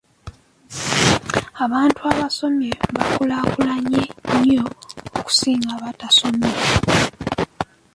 Abantu abasomye bakulaakulanye nnyo okusinga abatasomye.